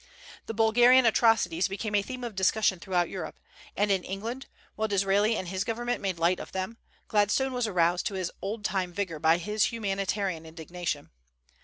"The Bulgarian atrocities" became a theme of discussion throughout Europe; and in England, while Disraeli and his government made light of them, Gladstone was aroused to all his old time vigor by his humanitarian indignation.